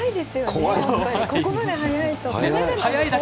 ここまで速いと。